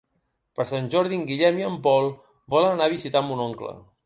Per Sant Jordi en Guillem i en Pol volen anar a visitar mon oncle.